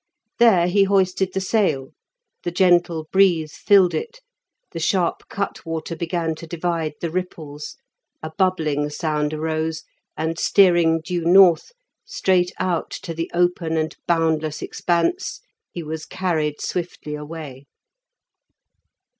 There he hoisted the sail, the gentle breeze filled it, the sharp cutwater began to divide the ripples, a bubbling sound arose, and steering due north, straight out to the open and boundless expanse, he was carried swiftly away.